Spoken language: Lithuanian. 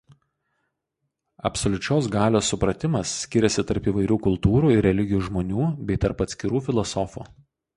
Absoliučios galios supratimas skiriasi tarp įvairių kultūrų ir religijų žmonių bei tarp atskirų filosofų.